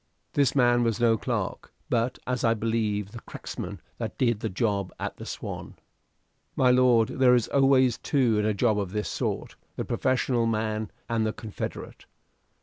This man was no clerk, but, as I believe, the cracksman that did the job at the 'Swan.' "My lord, there is always two in a job of this sort the professional man and the confederate.